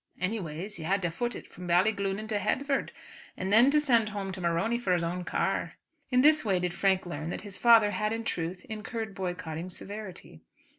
Anyways he had to foot it from Ballyglunin to Headford, and then to send home to Morony for his own car." In this way did Frank learn that his father had in truth incurred boycotting severity.